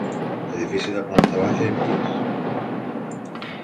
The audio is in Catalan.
Edifici de planta baixa i pis.